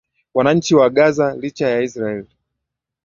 wananchi wa ghaza licha ya israel